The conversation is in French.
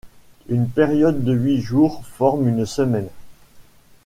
Une période de huit jours forme une semaine.